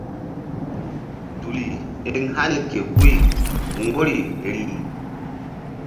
Duli eŋ hani ke guy mgbori rih.